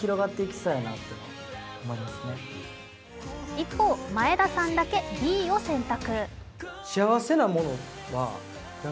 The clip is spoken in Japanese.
一方、前田さんだけＢを選択。